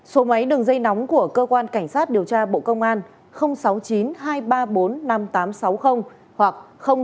số máy đường dây nóng của cơ quan cảnh sát điều tra bộ công an sáu mươi chín hai trăm ba mươi bốn năm nghìn tám trăm sáu mươi hoặc sáu mươi chín hai trăm ba mươi hai một nghìn sáu trăm